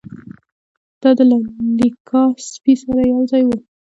دا د لایکا سپي سره یوځای و.